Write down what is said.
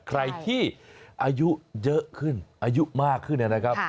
ใครที่อายุเยอะขึ้นอายุมากขึ้นนะครับ